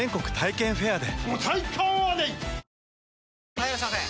・はいいらっしゃいませ！